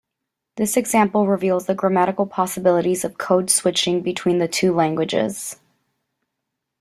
This example reveals the grammatical possibilities of code-switching between the two languages.